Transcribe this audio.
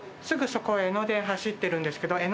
すぐそこ江ノ電走ってるんですけど。